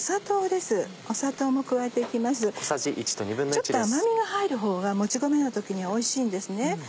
ちょっと甘みが入るほうがもち米の時にはおいしいんです。